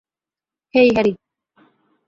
হেই, Harry.